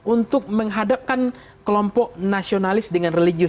untuk menghadapkan kelompok nasionalis dengan religius